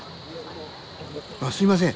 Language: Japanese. あっすいません